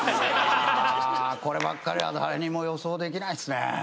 いやこればっかりは誰にも予想できないっすね。